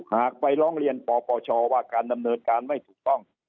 ไปร้องเรียนปปชว่าการดำเนินการไม่ถูกต้อง